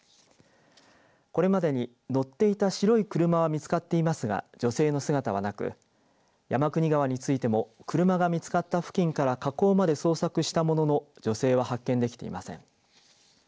これまでに乗っていた白い車は見つかっていますが女性の姿はなく山国川についても車が見つかった付近から河口まで捜索したものの女性は発見できていません。